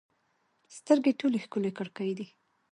سترګې ټولو ښکلې کړکۍ دي.